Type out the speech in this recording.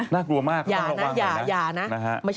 น่ากลัวมาก